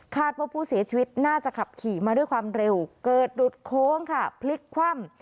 ว่าผู้เสียชีวิตน่าจะขับขี่มาด้วยความเร็วเกิดหลุดโค้งค่ะพลิกคว่ำ